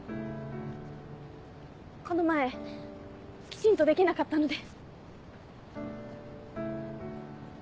この前きちんとできなかったので。